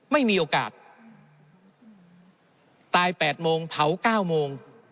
ไม่มีโอกาสตายแปดโมง์เผาแค้วโมงส์